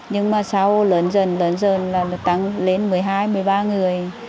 nhưng mà sau lớn dần lớn dần là tăng lên một mươi hai một mươi ba người